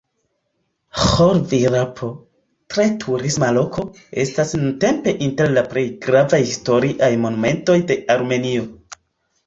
Ĥor-Virapo, tre turisma loko, estas nuntempe inter la plej gravaj historiaj monumentoj de Armenio.